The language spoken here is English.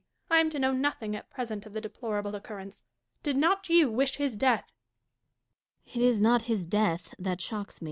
I am to know nothing at present of the deplorable occurrence. Did not you wish his death 1 Dashkof. It is not his death that shocks me.